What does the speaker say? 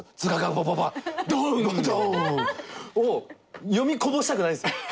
「バババ」「ドーン」を読みこぼしたくないんですよ。